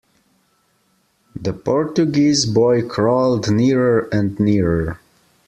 The Portuguese boy crawled nearer and nearer.